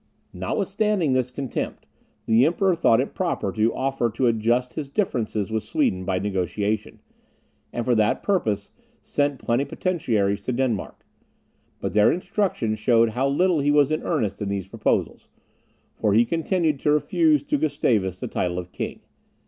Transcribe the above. Notwithstanding this contempt, the Emperor thought it proper to offer to adjust his differences with Sweden by negociation, and for that purpose sent plenipotentiaries to Denmark. But their instructions showed how little he was in earnest in these proposals, for he still continued to refuse to Gustavus the title of king.